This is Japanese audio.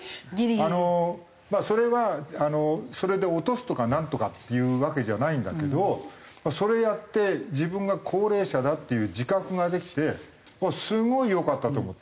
あのそれはそれで落とすとかなんとかっていうわけじゃないんだけどそれやって自分が高齢者だっていう自覚ができてすごいよかったと思ってる。